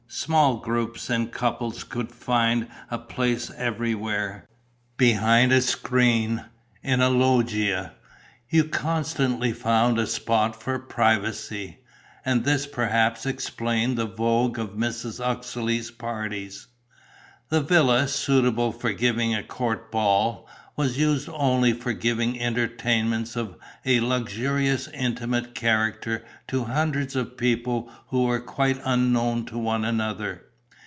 Small groups and couples could find a place everywhere: behind a screen, in a loggia; you constantly found a spot for privacy; and this perhaps explained the vogue of Mrs. Uxeley's parties. The villa, suitable for giving a court ball, was used only for giving entertainments of a luxurious intimate character to hundreds of people who were quite unknown to one another.